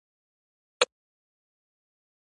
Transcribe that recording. که پیرودونکی خوښ وي، تجارت باثباته وي.